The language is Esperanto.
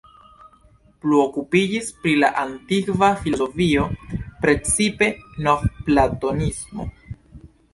Plu okupiĝis pri la antikva filozofio, precipe novplatonismo.